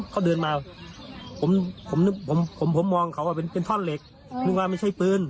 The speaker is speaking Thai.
เขาเดินมาผมมองเขาเป็นท่อนเหล็กรู้กันว่าไม่ใช่ปืน